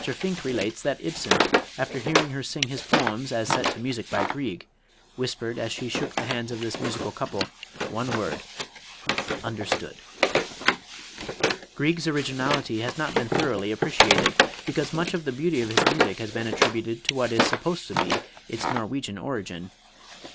Finck relates that Ibsen, after hearing her sing his poems as set to music by Grieg, whispered as he shook the hands of this musical couple, the one word, "Understood." Grieg's originality has not been thoroughly appreciated, because much of the beauty of his music has been attributed to what is supposed to be its Norwegian origin.